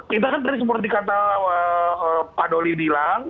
kita kan tadi seperti kata pak doli bilang